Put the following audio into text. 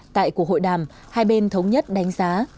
tại cuộc hội đàm hai bên thống nhất đánh giá